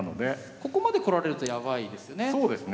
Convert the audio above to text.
ここまで来られるとやばいですね。